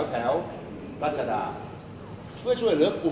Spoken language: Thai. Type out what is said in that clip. มันเป็นสิ่งที่เราไม่รู้สึกว่า